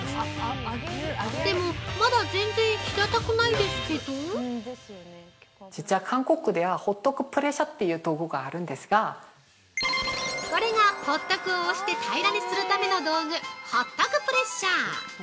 でも、まだ全然平たくないですけど◆これが、ホットクを押して平らにするための道具ホットクプレッシャー。